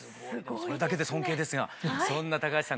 それだけで尊敬ですがそんな高橋さん